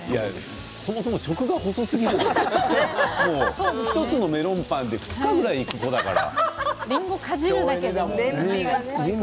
そもそも食が細すぎる１つのメロンパンでしのげるぐらいの子だから。